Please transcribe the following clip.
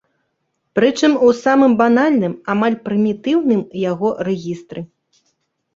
Прычым у самым банальным, амаль прымітыўным яго рэгістры.